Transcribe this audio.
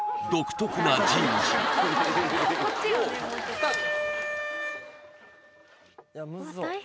スタート